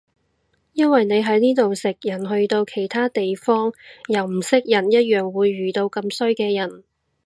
因為你喺呢度食人去到其他地方又唔識人一樣會遇到咁衰嘅人